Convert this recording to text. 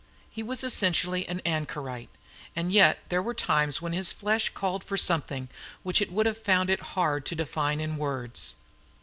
He was essentially an anchorite; and yet there were times when his flesh called for something which it would have found it hard to define in words.